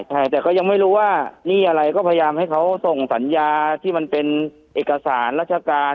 ใช่แต่ก็ยังไม่รู้ว่าหนี้อะไรก็พยายามให้เขาส่งสัญญาที่มันเป็นเอกสารราชการ